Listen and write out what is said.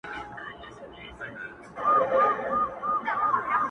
ته مي بزې وهه، زه به دي روژې وهم.